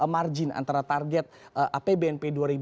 margin antara target apbnp dua ribu enam belas